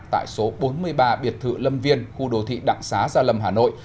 tại số bốn mươi ba biệt thự lâm viên khu đô thị đặng xá gia lâm hà nội